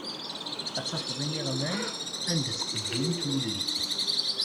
Ad tafeḍ iniɣman, anda ttqeggilent wulli.